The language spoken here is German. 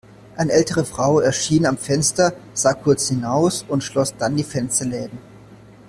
Eine ältere Frau erschien am Fenster, sah kurz hinaus und schloss dann die Fensterläden.